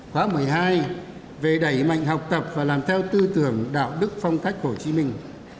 khóa một mươi hai về đẩy mạnh học tập và làm theo tư tưởng đạo đức phong cách hồ chí minh